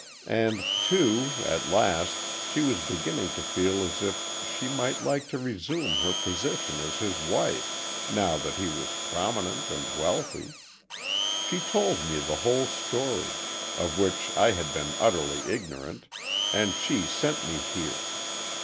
"And, too, at last, she was beginning to feel as if she might like to resume her position as his wife, now that he was prominent and wealthy. She told me the whole story—of which I had been utterly ignorant, and she sent me here.